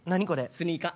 スニーカー？